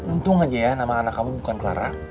untung aja ya nama anak kamu bukan clara